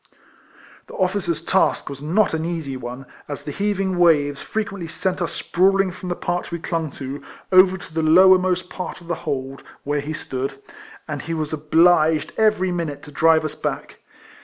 The officer's task was not an easy one, as the heaving waves frequently sent us sprawling from the part we clung to, over to the lower most part of the hold, where he stood, and he was obliged every minute to drive us back.